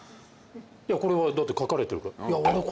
これはだって書かれてるから。